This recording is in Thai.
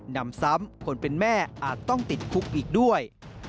นำซ้ำคนเป็นแม่อาจต้องติดคุกอีกด้วย